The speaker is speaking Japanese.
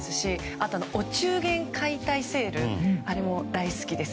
あと、お中元解体セールあれも大好きです。